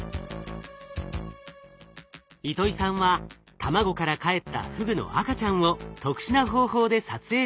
糸井さんは卵からかえったフグの赤ちゃんを特殊な方法で撮影しました。